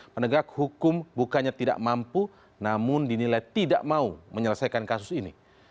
penegak hukum bukannya tidak mampu namun dinilai tidak mau menyelesaikan kasus ini